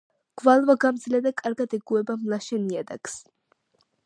გვალვაგამძლეა და კარგად ეგუება მლაშე ნიადაგს.